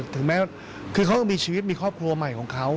ถึงแม้คือเขายังมีชีวิตมีครอบครัวใหม่ของเขา